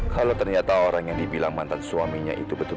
kalau ternyata orang yang dibilang mantan suaminya itu betul